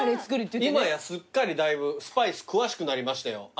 今やすっかりだいぶスパイス詳しくなりましたよ。